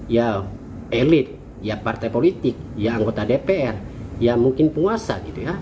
ya elit ya partai politik ya anggota dpr ya mungkin penguasa gitu ya